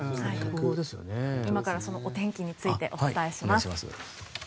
今からそのお天気についてお伝えします。